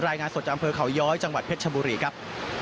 รายงานสดจากอำเภอเขาย้อยจังหวัดเพชรชบุรีครับ